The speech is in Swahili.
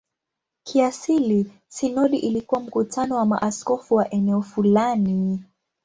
Kiasili sinodi ilikuwa mkutano wa maaskofu wa eneo fulani.